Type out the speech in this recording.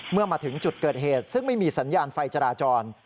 เมื่อมาถึงจุดเกิดเหตุซึ่งไม่มีสัญญาณไฟจราจร